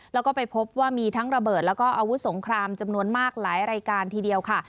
แล้วก็ไปพบว่ามีทั้งระเบิดแล้วก็อาวุธสงครามจำนวนมากหลายรายการทีเดียวค่ะ